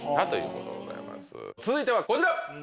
続いてはこちら。